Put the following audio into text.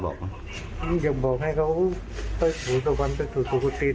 อยากบอกให้เขาประสบควรไปสวุขติดัง